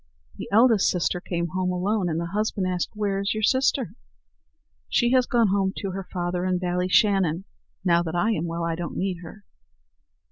The eldest sister came home alone, and the husband asked, "Where is your sister?" "She has gone home to her father in Ballyshannon; now that I am well, I don't need her."